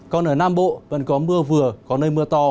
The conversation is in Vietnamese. còn ở nam bộ vẫn có mưa vừa có nơi mưa to